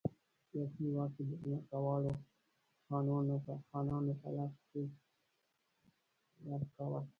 سیاسي واک یې د ځمکوالو خانانو په لاس کې ورکاوه.